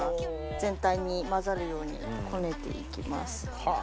全体に混ざるようにこねて行きます。